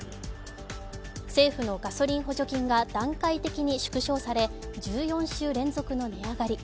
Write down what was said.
政府のガソリン補助金が段階的に縮小され、１４週連続の値上がり。